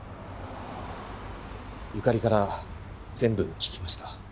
由香利から全部聞きました。